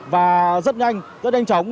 và rất nhanh rất nhanh chóng